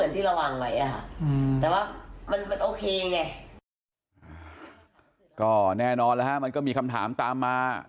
อืมแต่ว่ามันมันโอเคไงก็แน่นอนแล้วมันก็มีคำถามตามมา